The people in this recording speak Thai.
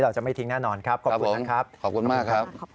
จะไม่ทิ้งแน่นอนครับขอบคุณนะครับขอบคุณมากครับ